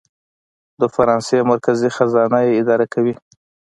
د فرانسې مرکزي خزانه یې اداره کوي.